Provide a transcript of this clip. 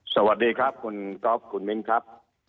สวัสดีครับคุณก๊อฟคุณมิ้นครับ